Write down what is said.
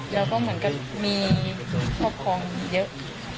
แล้วก็เหมือนกันมีพ่อพร้อมเยอะ